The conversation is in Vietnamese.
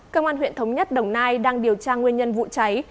công an huyện thống nhất đồng nai đang điều tra nguyên nhân vụ cháy